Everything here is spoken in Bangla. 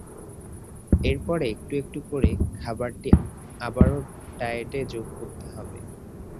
এরপর একটু একটু করে খাবারটি আবারও ডায়েটে যোগ করতে হবে।